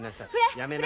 やめろ！